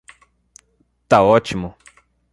Tá ótimo.